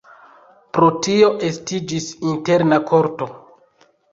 Pro tio estiĝis interna korto.